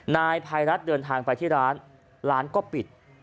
นายภัยรัฐเดินทางไปที่ร้านร้านก็ปิด